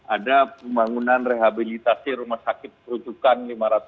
ada pembangunan rehabilitasi rumah sakit perucukan lima ratus lima puluh sembilan